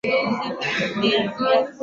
vinavyoeleza juu ya wenye sifa ya kupiga kura